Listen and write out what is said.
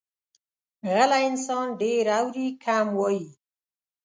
غلی انسان، ډېر اوري، کم وایي.